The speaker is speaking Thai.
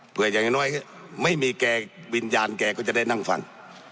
เพื่ออย่างน้อยไม่มีแกวิญญาณแกก็จะได้นั่งฟัง